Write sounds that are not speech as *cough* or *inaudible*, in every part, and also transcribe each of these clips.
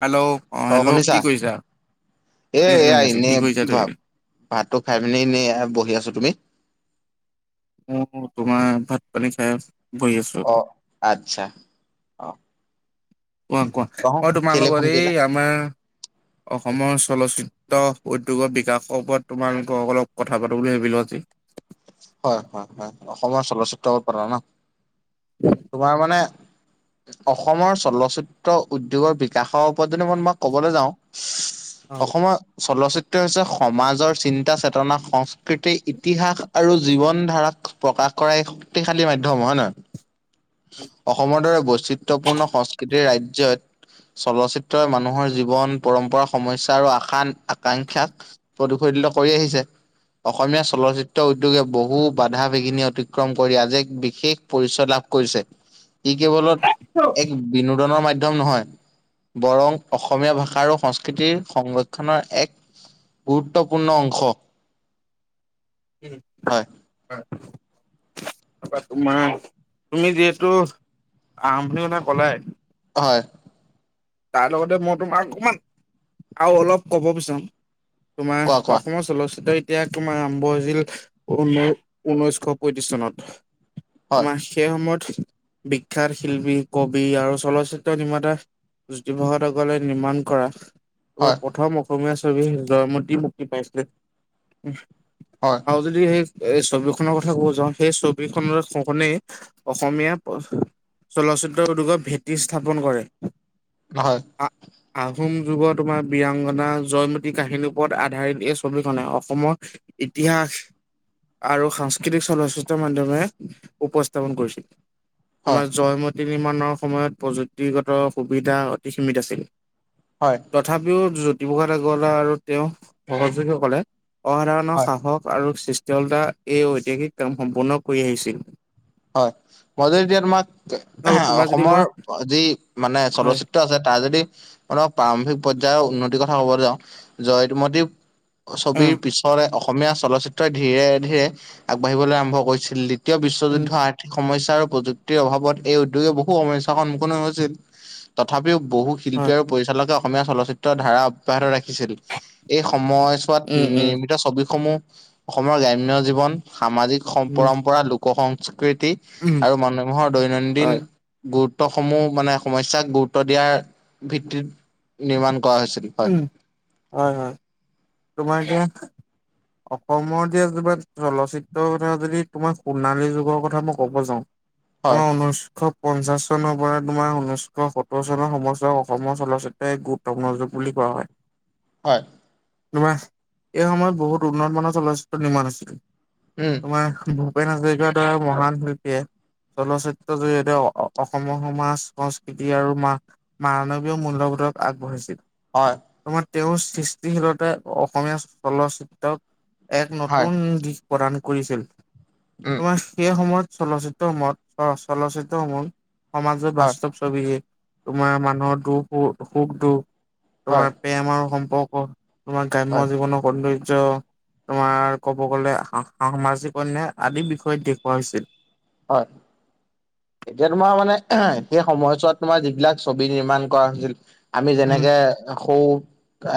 Hello অ hello কি কৰিছা? এ শুনিছো এয়া শুনিছো এনেই কি কৰিছা ভা তুমি? ভাতটো খাই পিনি এনেই বহি আছো। তুমি অ, তোমাৰ ভাত পানী খাই বহি আছো। অ আচ্ছা। কোৱা কোৱা, কওঁ অ কেলে তোমালোকৰ ফোন এই কৰিলা আমাৰ অসমৰ চলচিত্ৰ ত, উদ্যোগৰ বিকাশৰ ওপৰত তোমালোকৰ অলপ কথা পাতো বুলি ভাবিলো আজি। হয় হয় হয় অসমৰ চলচ্চিত্ৰ ওপৰত ন। *unintelligible* তোমাৰ মানে, অসমৰ চলচ্চিত্ৰ উদ্যোগৰ বিকাশৰ ওপৰত যদি মই তোমাক ক'বলৈ যাও অসমৰ চলচিত্ৰ হৈছে, সমাজৰ চিন্তা, চেতনা, সংস্কৃতি ইতিহাস আৰু জীৱন ধাৰাক প্ৰকাশ কৰা এক শক্তিশালী মাধ্যম হয় নে নহয়! অসমৰ দৰে বৈচিত্ৰপূৰ্ণ সংস্কৃতিৰ ৰাজ্যত। চলচ্চিত্ৰই মানুহৰ জীৱন পৰম্পৰা সমস্যা আৰু আশা-আকাংক্ষাক প্ৰদূশুল কৰি আহিছে। অসমীয়া চলচ্চিত্ৰ উদ্যোগে বহু বাধা, বিঘিনি অতিক্ৰম কৰি আজি এক বিশেষ পৰিচয় লাভ কৰিছে। ই কেৱলত এক বিনোদনৰ মাধ্যম নহয়। বৰং অসমীয়া ভাষা আৰু সংস্কৃতিৰ সংৰক্ষণৰ এক গুৰুত্বপূৰ্ণ অংশ। উম হয়। তাৰপৰা তোমাৰ, তুমি যিহেতু আৰম্ভণিৰ কথা ক'লাই হয়। তাৰ লগতে মই তোমাক অকমান আৰু অলপ কব বিচাৰো। তোমাৰ। কোৱা, কোৱা, অসমৰ চলচ্চিত্ৰ তেতিয়া তোমাৰ আৰম্ভ হৈছিল ঊনৈ ঊনৈশ পয়ত্ৰিশ চনত। হয়, তোমাৰ সেই সময়ত বিখ্যাত শিল্পী, কবি আৰু চলচ্চিত্ৰ নিৰ্মাতা জ্যোতিপ্ৰসাদ আগৰৱালাই নিৰ্মাণ কৰা, হয়, তোমাৰ প্ৰথম অসমীয়া ছবি জয়মতি মুক্তি পাইছিলে। হয়। আৰু যদি, সেই এই ছবিখনৰ কথা ক'ব যাওঁ সেই ছবিখনৰ নেই অসমীয়া চলচ্চিত্ৰ উদ্যোগৰ ভেটি স্থাপন কৰে। হয়। আ আহোম যুগৰ তোমাৰ বিৰাংগনা জয়মতী কাহিনীৰ ওপৰত আধাৰিত। এই ছবি খনে অসমত ইতিহাস আৰু সাংস্কৃতিক চলচ্চিত্ৰ মাধ্যমেৰে উপস্থাপন কৰিছিল। হয়, তোমাৰ জয়মতী নিৰ্মাণৰ সময়ত প্ৰযুক্তিগত সুবিধা অতি সীমিত আছিল। হয়। তথাপিও, জ্যোতিপ্ৰসাদ আগৰৱালা আৰু তেওঁৰ সহযোগীসকলে অসাধাৰণ হয়। সাহস আৰু সৃষ্টলতা এই ঐতিহাসিক কাম সম্পূৰ্ণ কৰি আহিছিল। হয়। মই যদি এতিয়া তোমাক আৰু তোমাৰ যদি অসমৰ মই যি মানে হয় চলচ্চিত্ আছে তাই যদি অলপ প্ৰাৰম্ভিক পৰ্যায়ৰ উন্নতিৰ কথা কব যাওঁ জয়মতী। ছবিৰ উম পিছৰে অসমীয়া চলচ্চিত্ৰই ধীৰে, ধীৰে আগবাঢ়িবলৈ আৰম্ভ কৰিছিল লি তীয় বিশ্বযুদ উম আৰ্থিক সমস্যা আৰু প্ৰযুক্তিৰ অভাৱত এই উদ্যোগে বহু সমস্যাৰ সন্মুখীন হৈছিল তথাপিও। বহু শিল্পী হয় আৰু পৰিচালকে অসমীয়া চলচ্চিত্ৰৰ ধাৰা অব্যাহত ৰাখিছিল। এই সময়ছোৱাত উম উম নিৰ্মিত ছবিসমূহ। অসমৰ গ্ৰাম্য জীৱন, সামাজিক সম- উম পৰম্পৰা, লোক সংস্কৃতি। উম আৰু মানুমোহৰ হয় দৈনন্দিন। গুৰুত্বসমূহ মানে, সমস্যাক গুৰুত্ব দিয়াৰ ভিত্তিত নিৰ্মাণ কৰা হৈছিল। হয় উম, হয়, হয় তোমাৰ সেয়া। অসমৰ এতিয়া তোমাৰ চলচিত্ৰৰ কথা যদি তোমাৰ সোণালী যুগৰ কথা মই ক'ব যাওঁ হয় তোমাৰ উনৈছ শ- পঞ্চাশ চনৰ পৰা তোমাৰ, ঊনৈছশ সত্তৰ চনৰ সময়চোৱা অসমৰ চলচ্চিত্ৰে গোট তগ্ন যুগ বুলি কোৱা হয়। হয়। তোমাৰ এই সময়ত বহুত উন্নত মানৰ চলচিত্ৰ নিৰ্মাণ আছিল। উম। তোমাৰ ভূপেন হাজৰিকাৰ দ্বাৰা মহান শিল্পীয়ে। চলচিত্ৰৰ জৰিয়তে অ অ অসমৰ সমাজ সংস্কৃতি আৰু মাহ মানৱীয় মূল্যবোধক আগবাঢ়িছিল। হয়। তোমাৰ তেওঁৰ সৃষ্টিশীলতাই অসমীয়া চলচিত্ৰক এক হয় নতুন দিশ প্ৰদান কৰিছিল। উম তোমাৰ সেই সময়ত চলচিত্ৰ মত অ চলচ্চিত্ৰ মন সমাজৰ হয় বাস্তৱ ছবিয়ে তোমাৰ মানুহৰ দুখ- সুখ সুখ- দুখ হয় তোমাৰ প্ৰেম আৰু সম্পৰ্ক তোমাৰ হয় গ্ৰাম্য জীৱন সৌন্দয জ তোমাৰ ক'ব গ'লে সা সা সামাজিক অন্যায় আদি বিষয়ত দেখুওৱা হৈছিল। হয়। এতিয়া তোমাৰ মানে, সেই সময়ছোৱাত তোমাৰ যিবিলাক ছবি নিৰ্মাণ কৰা হৈছিল আমি উম যেনেকে সৌ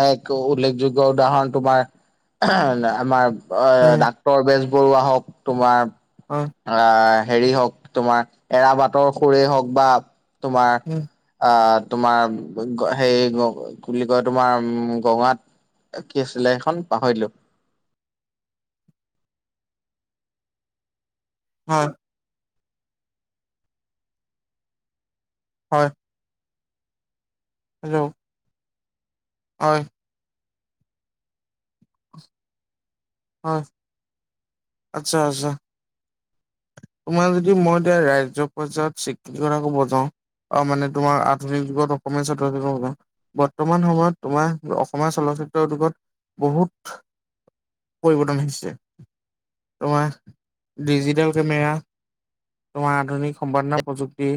এক উল্লেখযোগ্য উদাহৰণ তোমাৰ আমাৰ অ' উম ডাক ক্টৰ বেজবৰুৱা হওক তোমাৰ। হয় আ' হেৰি হওক তোমাৰ এৰা বাটৰ সুৰেই হওক বা তোমাৰ উম আ' তোমাৰ হেৰি বুলি কয় তোমাৰ গঙাত কি আছিলে সেখন পাহৰিলো। হয়। হয়। হেল্ল হয়। হয় আচ্ছা, আচ্ছা। তোমাৰ যদি মই এতিয়া ৰাজ্য পৰ্যায়ত স্বীকৃতি কথা ক'ব যাওঁ আৰু মানে তোমাৰ আধুনিক যুগত অসমীয়া *unintelligible* বৰ্তমান সময়ত তোমাৰ অসমীয়া চলচ্চিত্ৰ উদ্যোগত বহুত পৰিৱৰ্তন আহিছে, তোমাৰ ডিজিটেল কেমেৰা তোমাৰ আধুনিক সম্পাদনা প্ৰযুক্তি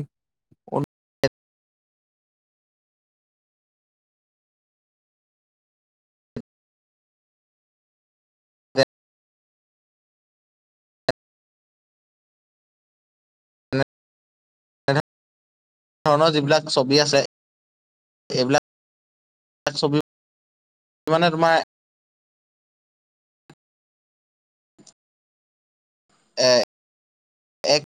এনেধৰণৰ যিবিলাক ছবি আছে, এইবিলাক ছবি মানে তোমাৰ এ এক